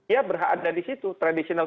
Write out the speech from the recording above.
ya berada di situ traditional